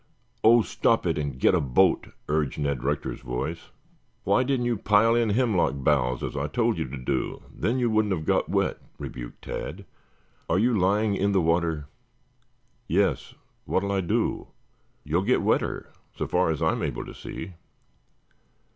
"Oh, stop it and get a boat," urged Ned Rector's voice. "Why didn't you pile in hemlock boughs, as I told you to do, then you wouldn't have got wet," rebuked Tad. "Are you lying in the water?" "Yes. What'll I do?" "You'll get wetter, so far as I am able to see."